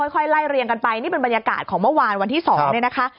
ค่อยไล่เรียงกันไปนี่เป็นบรรยากาศของเมื่อวานวันที่๒เนี่ยนะคะ